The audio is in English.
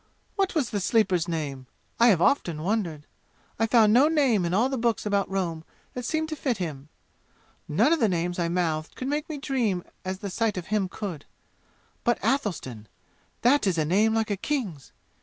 What was the Sleeper's name? I have often wondered! I found no name in all the books about Rome that seemed to fit him. None of the names I mouthed could make me dream as the sight of him could. But, Athelstan! That is a name like a king's!